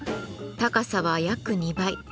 高さは約２倍。